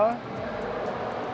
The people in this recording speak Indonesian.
pertama kalau modal